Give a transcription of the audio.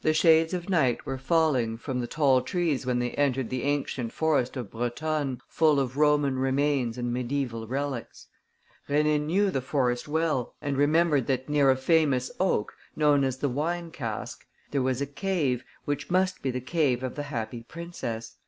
The shades of night were falling from the tall trees when they entered the ancient forest of Brotonne, full of Roman remains and mediaeval relics. Rénine knew the forest well and remembered that near a famous oak, known as the Wine cask, there was a cave which must be the cave of the Happy Princess.